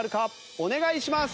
お願いします。